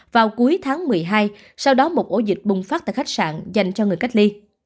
vào cuối tháng một mươi hai sau đó một ổ dịch bùng phát tại khách sạn dành cho người cách ly